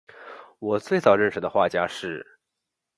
我最早认识的画家是